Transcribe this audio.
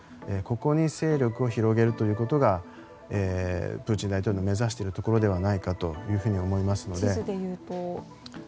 ここに勢力を広げるということがプーチン大統領の目指しているところではないかというふうに思いますので。